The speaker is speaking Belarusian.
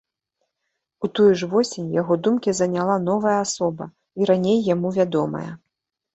У тую ж восень яго думкі заняла новая асоба, і раней яму вядомая.